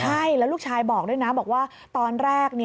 ใช่แล้วลูกชายบอกด้วยนะบอกว่าตอนแรก